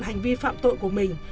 hành vi phạm tội của mình